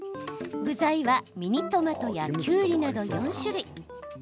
具材は、ミニトマトやきゅうりなど４種類。